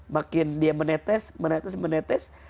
makin dia menetes